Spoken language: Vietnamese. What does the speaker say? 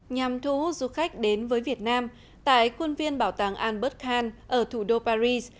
nhằm thu hút du khách đến với việt nam tại khuôn viên bảo tàng albert khan ở thủ đô paris